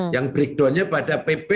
yang breakdownnya pada pp